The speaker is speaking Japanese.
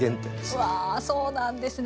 うわそうなんですね。